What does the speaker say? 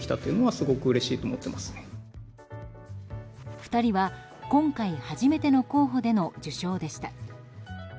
２人は今回初めての候補での受賞でした。